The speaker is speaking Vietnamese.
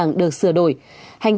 và hợp đồng